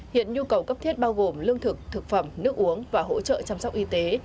hiện nhu cầu cấp thiết bao gồm lương thực thực phẩm nước uống và hỗ trợ chăm sóc y tế